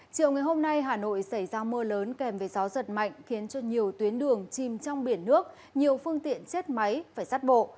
chiều ngày hôm nay hà nội xảy ra mưa lớn kèm với gió giật mạnh khiến cho nhiều tuyến đường chìm trong biển nước nhiều phương tiện chết máy phải sát bộ